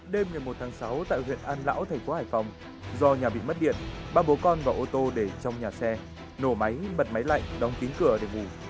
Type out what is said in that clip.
đêm ngày một tháng sáu tại huyện an lão thành phố hải phòng do nhà bị mất điện ba bố con vào ô tô để trong nhà xe nổ máy bật máy lạnh đóng kín cửa để ngủ